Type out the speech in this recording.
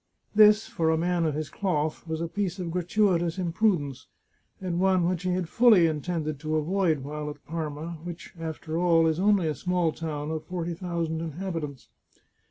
This, for a man of his cloth, was a piece of gratuitous imprudence, and one he had fully intended to avoid while at Parma, which, after all, is only a small town of forty thousand inhabitants.